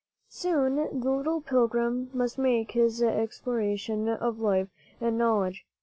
Soon the little pilgrim must make his exploration of life and knowledge.